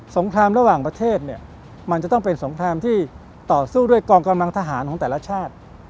งครามระหว่างประเทศเนี่ยมันจะต้องเป็นสงครามที่ต่อสู้ด้วยกองกำลังทหารของแต่ละชาติ